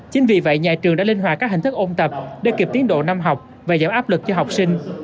chính vì vậy nhà trường đã linh hoạt các hình thức ôn tập để kịp tiến độ năm học và giảm áp lực cho học sinh